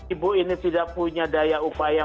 ibu ini tidak punya daya upaya